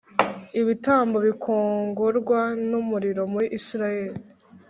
ibitambo bikongorwa n umuriro muri Isirayeli